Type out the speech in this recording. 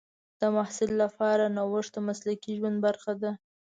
د محصل لپاره نوښت د مسلکي ژوند برخه ده.